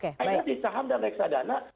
hanya di saham dan reksadana